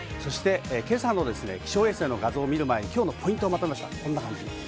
今朝の気象衛星の画像を見る前にポイントをまとめました。